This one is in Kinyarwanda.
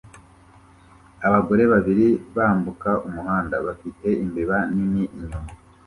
Abagore babiri bambuka umuhanda bafite imbeba nini inyuma